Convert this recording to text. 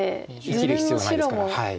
生きる必要ないですから。